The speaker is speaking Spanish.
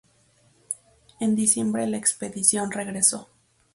En diciembre la expedición regresó.